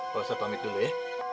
pak ustadz pamit dulu ya